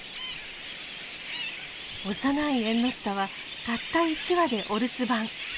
幼いエンノシタはたった１羽でお留守番。